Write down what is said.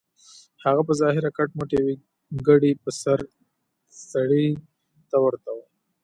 هغه په ظاهره کټ مټ يوې کډې پر سر سړي ته ورته و.